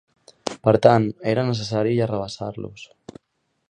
Per tant, era necessari arrabassar-los.